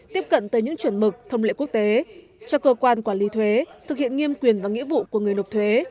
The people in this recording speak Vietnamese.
tiếp cận tới những chuẩn mực thông lệ quốc tế cho cơ quan quản lý thuế thực hiện nghiêm quyền và nghĩa vụ của người nộp thuế